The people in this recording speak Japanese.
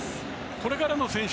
これからの選手